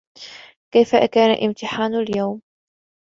كيف كان امتحان اليوم ؟